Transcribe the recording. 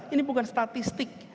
ini bukan statistik